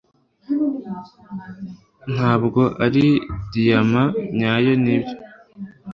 ntabwo ari diyama nyayo, nibyo